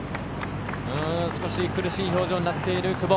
少し苦しい表情になっている久保。